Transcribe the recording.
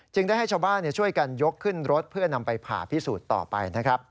ได้ให้ชาวบ้านช่วยกันยกขึ้นรถเพื่อนำไปผ่าพิสูจน์ต่อไปนะครับ